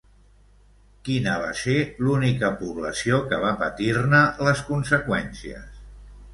Quina va ser l'única població que va patir-ne les conseqüències?